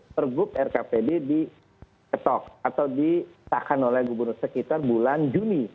pergub rkpd diketok atau disahkan oleh gubernur sekitar bulan juni